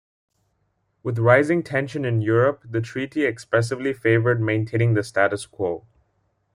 With rising tension in Europe, the treaty expressively favoured maintaining the status quo.